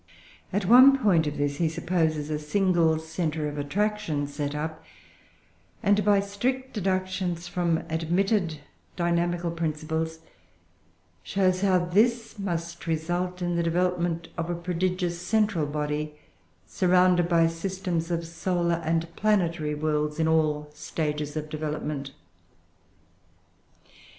At one point of this he supposes a single centre of attraction set up; and, by strict deductions from admitted dynamical principles, shows how this must result in the development of a prodigious central body, surrounded by systems of solar and planetary worlds in all stages of development.